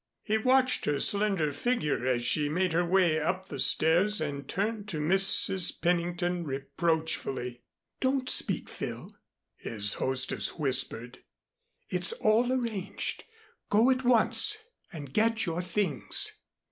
He watched her slender figure as she made her way up the stairs, and turned to Mrs. Pennington reproachfully. "Don't speak, Phil," his hostess whispered. "It's all arranged. Go at once and get your things."